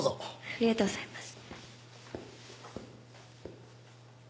ありがとうございます。